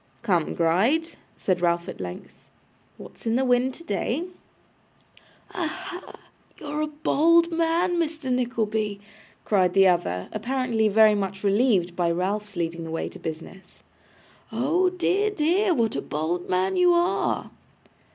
'Come, Gride,' said Ralph, at length; 'what's in the wind today?' 'Aha! you're a bold man, Mr. Nickleby,' cried the other, apparently very much relieved by Ralph's leading the way to business. 'Oh dear, dear, what a bold man you are!